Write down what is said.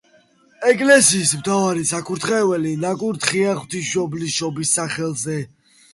ეკლესიის მთავარი საკურთხეველი ნაკურთხია ღვთისმშობლის შობის სახელზე.